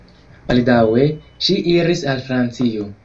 Baldaŭe ŝi iris al Francio.